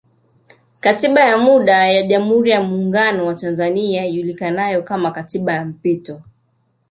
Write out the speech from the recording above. Katiba ya muda ya jamhuri ya muungano wa tanzania ilijulikana kama Katiba ya mpito